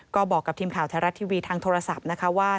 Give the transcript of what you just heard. ก็บอกกับทีมข่าวไทยรัฐทีวีทางโทรศัพท์นะคะว่า